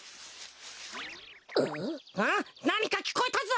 なにかきこえたぞ。